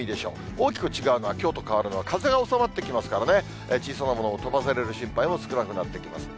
大きく違うのは、きょうと変わるのは、風が収まってきますからね、小さなものも飛ばされる心配も少なくなってきます。